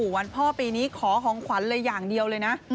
วันพ่อปีนี้ขอของขวัญเลยอย่างเดียวเลยนะ